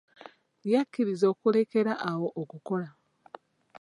Yakkirizza okulekera awo okukola.